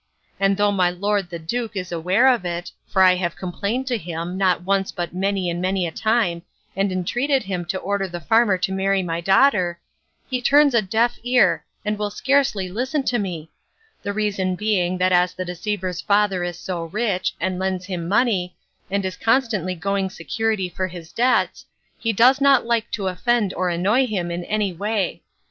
And though my lord the duke is aware of it (for I have complained to him, not once but many and many a time, and entreated him to order the farmer to marry my daughter), he turns a deaf ear and will scarcely listen to me; the reason being that as the deceiver's father is so rich, and lends him money, and is constantly going security for his debts, he does not like to offend or annoy him in any way.